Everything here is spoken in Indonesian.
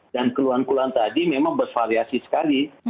dan keluhan keluhan tadi memang bervariasi sekali